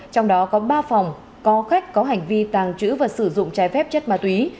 trong đó có ba phòng có khách có hành vi tàng trữ và sử dụng trái phép chất ma túy